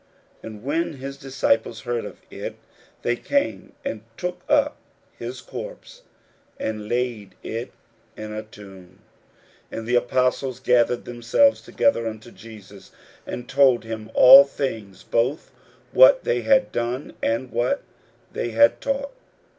41:006:029 And when his disciples heard of it, they came and took up his corpse, and laid it in a tomb. 41:006:030 And the apostles gathered themselves together unto Jesus, and told him all things, both what they had done, and what they had taught.